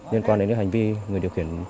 liên quan đến những hành vi người điều khiển